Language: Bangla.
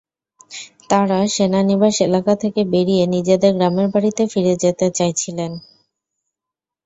তাঁরা সেনানিবাস এলাকা থেকে বেরিয়ে নিজেদের গ্রামের বাড়িতে ফিরে যেতে চাইছিলেন।